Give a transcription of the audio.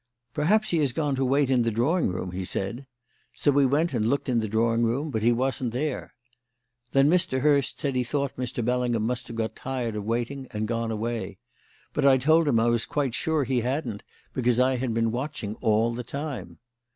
'Perhaps he has gone to wait in the drawing room,' he said. So we went and looked in the drawing room, but he wasn't there. Then Mr. Hurst said he thought Mr. Bellingham must have got tired of waiting and gone away; but I told him I was quite sure he hadn't, because I had been watching all the time.